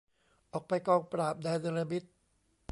ออกไปกองปราบ แดนเนรมิต